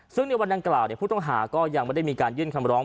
ซึ่งในวันดังกล่าวผู้ต้องหาก็ยังไม่ได้มีการยื่นคำร้อง